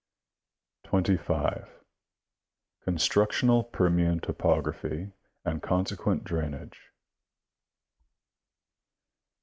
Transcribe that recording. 25. Constructional Permian topography and consequent drain age.